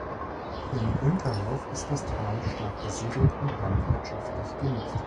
Im Unterlauf ist das Tal stark besiedelt und landwirtschaftlich genutzt.